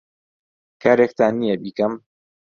کارێکتان نییە بیکەم؟